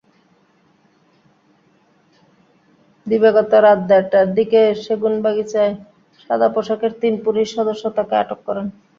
দিবাগত রাত দেড়টার দিকে সেগুনবাগিচায় সাদাপোশাকের তিন পুলিশ সদস্য তাঁকে আটক করেন।